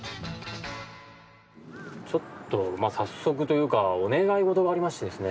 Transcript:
ちょっと早速というかお願いごとがありましてですね。